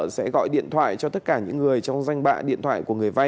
sẽ gọi điện thoại cho tất cả những người trong danh bạ điện thoại của người vay